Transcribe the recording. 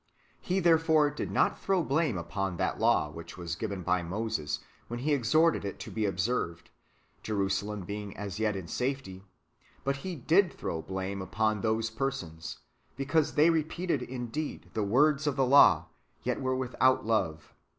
"* He therefore did not throw blame upon that law which was given by Moses, when He exhorted it to be observed, Jerusalem being as yet in safety ; but Pie did throw blame upon those persons, because they repeated indeed the w^ords of the law^, yet were without love.